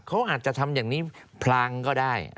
เขาอาจจะทำอย่างนี้พลางก็ได้